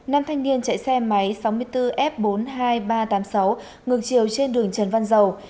nam thanh niên chạy xe máy sáu mươi bốn f bốn mươi hai nghìn ba trăm tám mươi sáu ngược chiều trên đường trần văn dầu